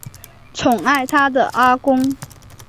宠爱她的阿公